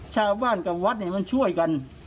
ชาวบ้านกับวัดมันช่วยกัน